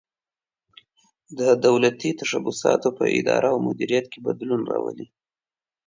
د دولتي تشبثاتو په اداره او مدیریت کې بدلون راولي.